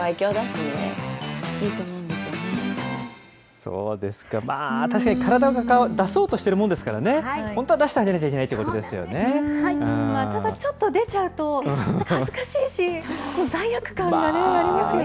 そうですか、まあ、確かに体が出そうとしているもんですからね、本当は出してあげなただ、ちょっと出ちゃうと、恥ずかしいし、罪悪感がね、ありますよね。